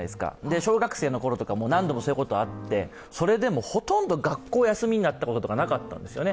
小学生のころとかも何度もそういうことがあってそれでもほとんど学校が休みになったことはなかったんですね。